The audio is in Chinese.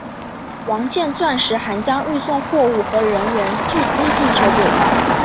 王剑钻石还将运送货物和人员至低地球轨道。